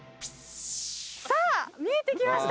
さあ見えてきました。